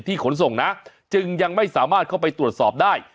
ขนส่งนะจึงยังไม่สามารถเข้าไปตรวจสอบได้